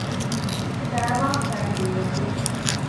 ފައިވާން ފައިން ދޫވެއްޖެ